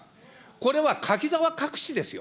これは柿沢隠しですよ。